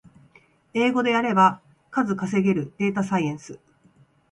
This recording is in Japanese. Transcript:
英語でやれば数稼げるデータサイエンス